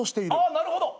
あなるほど。